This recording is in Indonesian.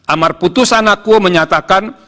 amar putusan aku menyatakan